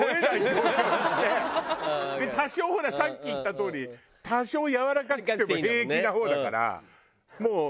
多少ほらさっき言ったとおり多少やわらかくても平気な方だからそういう。